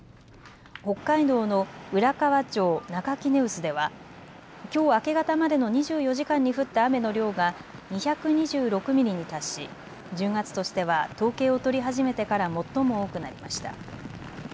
北海道の浦河町中杵臼ではきょう明け方までの２４時間に降った雨の量が２２６ミリに達し１０月としては統計を取り始めてから最も多くなりました。